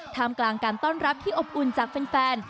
ทำกลางการต้อนรับที่อบอุ่นจากแฟน